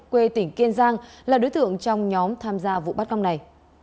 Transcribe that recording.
quê tỉnh kiên giang là đối tượng trong nhóm tham gia vụ bắt cóc này